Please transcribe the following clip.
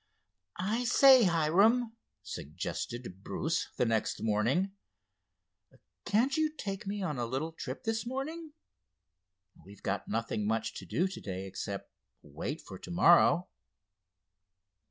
"I say, Hiram," suggested Bruce the next morning, "can't you take me on a little trip this morning? We've got nothing much to do to day except wait for to morrow."